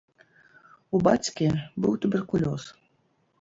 У бацькі быў туберкулёз.